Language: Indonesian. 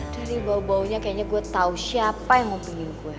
dari bau baunya kayaknya gue tau siapa yang mau pilih gue